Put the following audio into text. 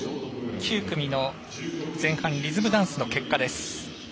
９組の前半リズムダンスの結果です。